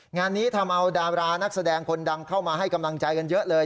งานนี้ทำเอาดารานักแสดงคนดังเข้ามาให้กำลังใจกันเยอะเลย